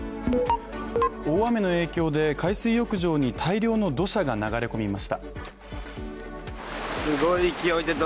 大雨の影響で海水浴場に大量の土砂が流れ込みました。